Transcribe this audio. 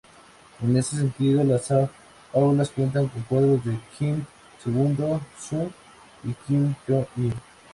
En ese sentido, las aulas cuentan con cuadros de Kim Il-sung y Kim Jong-il.